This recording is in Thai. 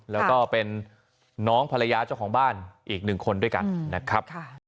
แล้วก็เป็นน้องภรรยาเจ้าของบ้านอีกหนึ่งคนด้วยกันนะครับ